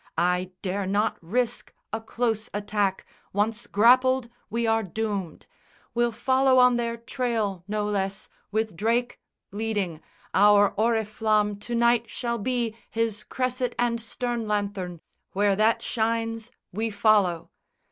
"I dare not risk A close attack. Once grappled we are doomed. We'll follow on their trail no less, with Drake Leading. Our oriflamme to night shall be His cresset and stern lanthorn. Where that shines We follow."